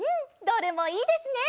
どれもいいですね！